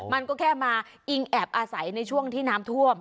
มันก็แค่มาอิงแอบอาศัยในช่วงที่น้ำท่วม